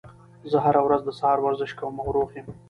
زه هره ورځ د سهار ورزش کوم او روغ یم